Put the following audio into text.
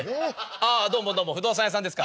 ああどうもどうも不動産屋さんですか。